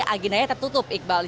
aginanya tertutup iqbal